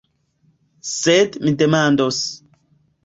Sed mi demandos.